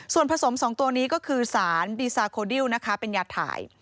ส่วนผสม๒ตัวนี้ก็คือสารดีซาโคดิลนะคะเป็นยาถ่าย